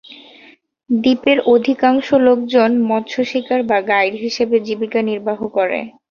দ্বীপের অধিকাংশ লোকজন মৎস শিকার বা গাইড হিসেবে জীবিকা নির্বাহ করে।